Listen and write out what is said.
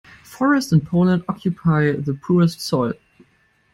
Forest in Poland occupy the poorest soil.